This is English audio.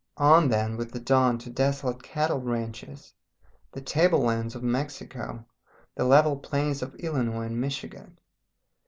On then with the dawn to desolate cattle ranches, the tablelands of Mexico, the level plains of Illinois and Michigan.